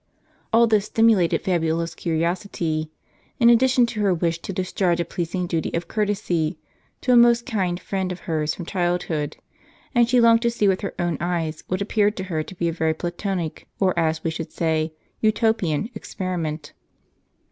All this stimulated Fabiola' s curiosity, in addition to her wish to discharge a pleasing duty of courtesy to a most kind friend of hers from childhood ; and she longed to see, with her own eyes, what appeared to her to be a very Platonic, or, as we should say, Utopian, experiment.